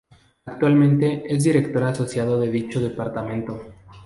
Actualmente es Director Asociado de dicho Departamento.